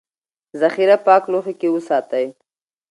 ذخیره پاک لوښي کې وساتئ.